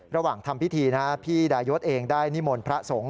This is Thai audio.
ระหว่างทำพิธีพี่ดายศเองได้นิมนต์พระสงฆ์